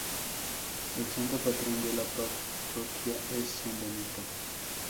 El santo patrón de la parroquia es San Benito.